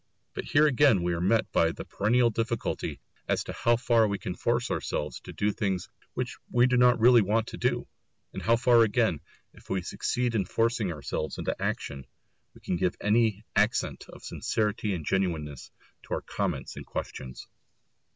But here again we are met by the perennial difficulty as to how far we can force ourselves to do things which we do not really want to do, and how far again, if we succeed in forcing ourselves into action, we can give any accent of sincerity and genuineness to our comments and questions.